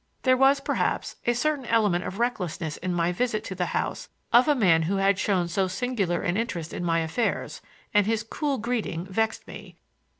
There was, perhaps, a certain element of recklessness in my visit to the house of a man who had shown so singular an interest in my affairs, and his cool greeting vexed me.